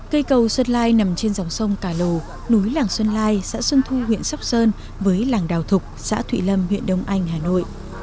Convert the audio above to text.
cây cầu xuân lai nằm trên dòng sông cà lồ núi làng xuân lai xã xuân thu huyện sóc sơn với làng đào thục xã thụy lâm huyện đông anh hà nội